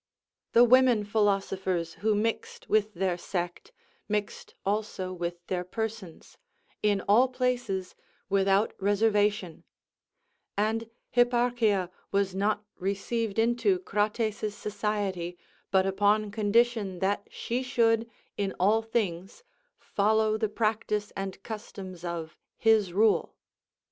The women philosophers who mixed with their sect, mixed also with their persons, in all places, without reservation; and Hipparchia was not received into Crates's society, but upon condition that she should, in all things, follow the practice and customs of his rule.